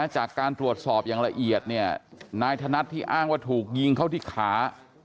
จากการตรวจสอบอย่างละเอียดเนี่ยนายธนัดที่อ้างว่าถูกยิงเข้าที่ขา